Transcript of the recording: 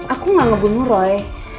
aku nggak ngebunuh roy